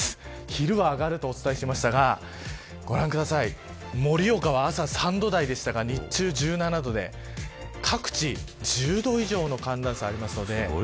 昼は上がるとお伝えしましたが盛岡は朝３度台でしたが日中１７度で各地１０度以上の寒暖差があります。